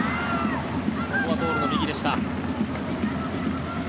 ここはゴールの右でした。